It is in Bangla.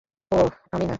ওহ, আমি না।